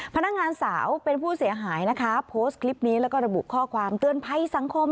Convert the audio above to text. พนักงานสาวเป็นผู้เสียหายนะคะโพสต์คลิปนี้แล้วก็ระบุข้อความเตือนภัยสังคม